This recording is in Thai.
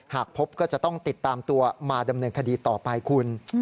หากพบก็จะต้องติดตามตัวมาดำเนินคดีต่อไปคุณ